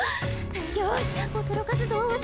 よし驚かすぞ私！